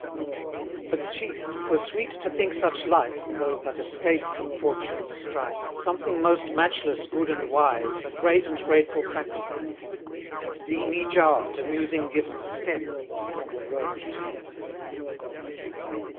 But chief, 'twere sweet to think such life, (Though but escape from fortune's strife,) Something most matchless good and wise, A great and grateful sacrifice; 230 And deem each hour, to musing given, A step upon the road to heaven.